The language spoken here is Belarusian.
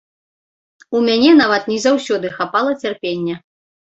У мяне нават не заўсёды хапала цярпення.